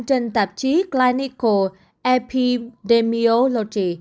trên tạp chí clinical epidemiology